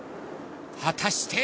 果たして？